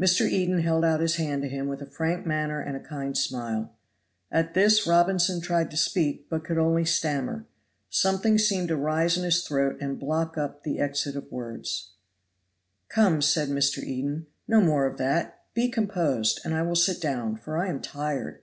Mr. Eden held out his hand to him with a frank manner and kind smile. At this Robinson tried to speak but could only stammer; something seemed to rise in his throat and block up the exit of words. "Come," said Mr. Eden, "no more of that; be composed, and I will sit down, for I am tired."